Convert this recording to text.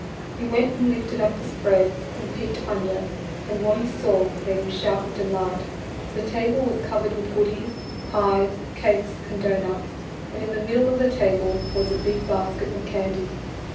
He went and lifted up the spread and peeked under, and what he saw made him shout with delight, for the table was covered with goodies, pies, cakes, and doughnuts, and in the middle of the table was a big basket of candy.